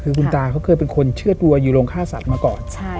คือคุณตาเขาเคยเป็นคนเชื่อตัวยูโรงฆ่าสัตว์มาก่อน